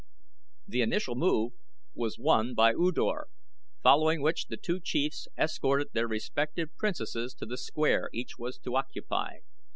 The initial move was won by U Dor, following which the two Chiefs escorted their respective Princesses to the square each was to occupy.